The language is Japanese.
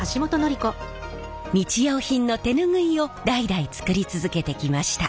日用品の手ぬぐいを代々作り続けてきました。